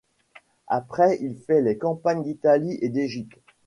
Après il fait les campagnes d'Italie et d'Égypte.